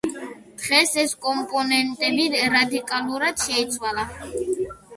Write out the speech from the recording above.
დღეს ეს კომპონენტები რადიკალურად შეიცვალა.